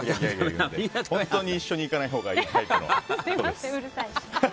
本当に一緒に行かないほうがいいタイプです。